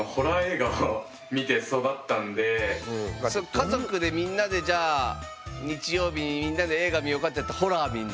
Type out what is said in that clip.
家族でみんなでじゃあ日曜日にみんなで映画見ようかっていうとホラー見んの？